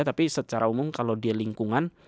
tapi secara umum kalau dia lingkungan